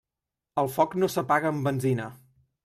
El foc no s'apaga amb benzina.